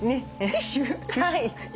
はい。